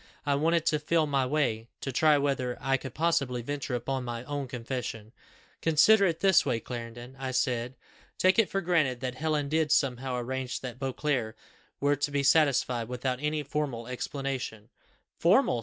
I wanted to feel my way, to try whether I could possibly venture upon my own confession. 'Consider it this way, Clarendon,' I said. 'Take it for granted that Helen did somehow arrange that Beauclerc were to be satisfied without any formal explanation.' 'Formal!